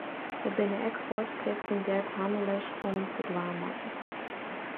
Der binne ek foarskriften dêr't hannelers oan foldwaan moatte.